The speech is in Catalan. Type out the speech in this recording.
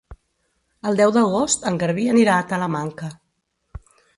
El deu d'agost en Garbí anirà a Talamanca.